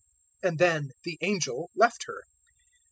And then the angel left her.